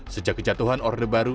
sejak kejatuhan orde baru